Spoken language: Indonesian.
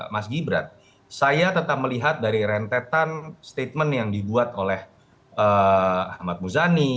mas gibran saya tetap melihat dari rentetan statement yang dibuat oleh ahmad muzani